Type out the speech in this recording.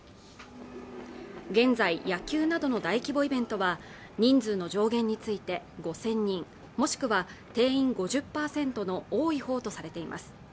現在野球などの大規模イベントは人数の上限について５０００人もしくは定員５０％の多い方とされています